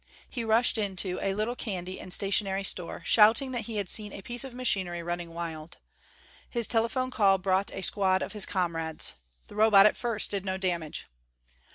He rushed into a little candy and stationery store shouting that he had seen a piece of machinery running wild. His telephone call brought a squad of his comrades. The Robot at first did no damage.